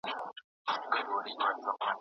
هغه وويل چي عدالت ضروري دی.